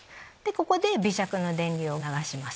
ここで微弱な電流を流します。